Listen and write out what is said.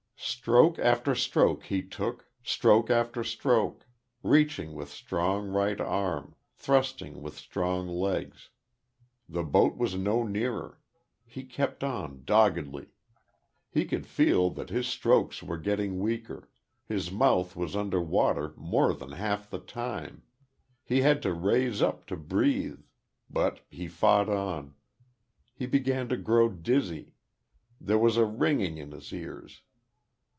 Stroke after stroke he took stroke after stroke reaching with strong right arm, thrusting with strong legs. The boat was no nearer.... He kept on, doggedly.... He could feel that his strokes were getting weaker; his mouth was under water more than half the time; he had to raise up to breathe.... But he fought on.... He began to grow dizzy there was a ringing in his ears....